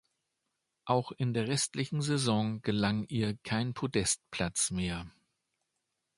Auch in der restlichen Saison gelang ihr kein Podestplatz mehr.